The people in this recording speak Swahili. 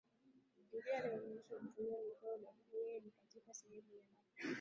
ndiye anayeruhusiwa kutumia mikono lakini na yeye ni katika sehemu yake maalumu tu